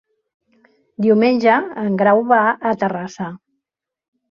Diumenge en Grau va a Terrassa.